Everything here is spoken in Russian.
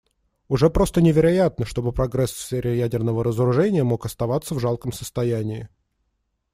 Уже просто невероятно, чтобы прогресс в сфере ядерного разоружения мог оставаться в жалком состоянии.